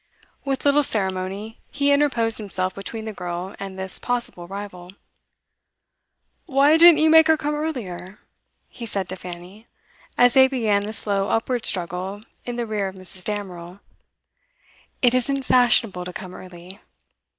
With little ceremony, he interposed himself between the girl and this possible rival. 'Why didn't you make her come earlier?' he said to Fanny, as they began a slow upward struggle in the rear of Mrs. Damerel. 'It isn't fashionable to come early.